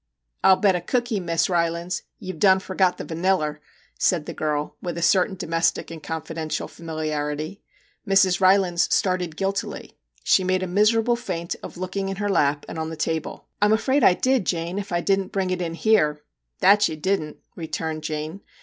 ' I '11 bet a cookey, Mess Rylands, you Ve done forget the vanillar/ said the girl, with a certain domestic and confidential familiarity. Mrs. Rylands started guiltily. She made a miserable feint of looking in her lap and on the table. * I 'm afraid I did, Jane, if I didn't bring it in here' 'That you didn't/ returned Jane.